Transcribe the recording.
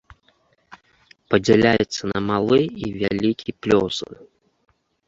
Падзяляецца на малы і вялікі плёсы.